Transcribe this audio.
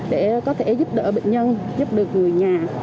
để có thể giúp đỡ bệnh nhân giúp được người nhà